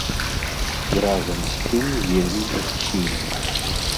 І разам з тым вельмі прафесійны.